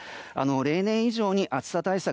例年以上に暑さ対策